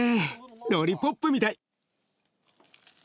ロリポップみたい。